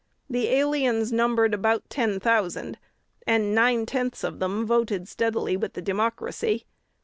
The aliens numbered about ten thousand, and nine tenths of them voted steadily with the Democracy.